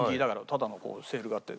ただのセールがあって。